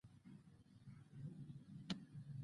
يوه له رنګه تور سړي وويل: صېب!